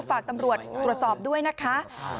ฝากตำรวจตรวจสอบด้วยนะคะ